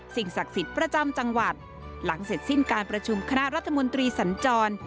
ศักดิ์สิทธิ์ประจำจังหวัดหลังเสร็จสิ้นการประชุมคณะรัฐมนตรีสัญจร